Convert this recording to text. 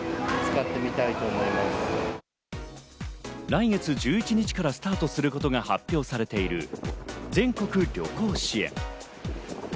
来月１１日からスタートすることが発表されている全国旅行支援。